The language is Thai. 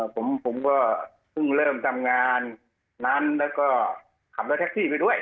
ผมก็เพิ่งเริ่มทำงานนั้นแล้วก็ขับรถแท็กซี่ไปด้วย